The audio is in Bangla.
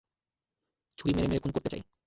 ছুরি মেরে মেরে খুন করতে চাই।